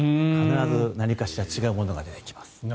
何かしら違うものが出てきます。